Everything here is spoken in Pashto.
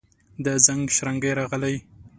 د زنګ شرنګی راغلي